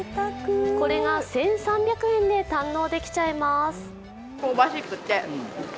これが１３００円で堪能できちゃいます。